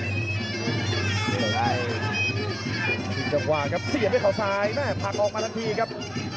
พี่สัตว์แดงกำลังวางแบบเสียบไว้ข่าวซ้ายไนต์ถักออกมาทั้งทีครับ